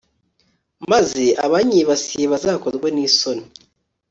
maze abanyibasiye bazakorwe n'isoni